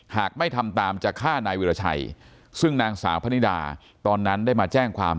หากไม่ทำตามจะฆ่านายวิราชัยซึ่งนางสาวพนิดาตอนนั้นได้มาแจ้งความ